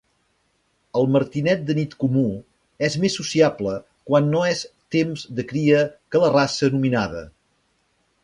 El martinet de nit comú és més sociable quan no és temps de cria que la raça nominada.